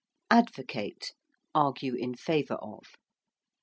~Advocate~: argue in favour of.